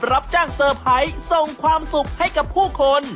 รับจ้างเซอร์ไพรส์ส่งความสุขให้กับผู้คน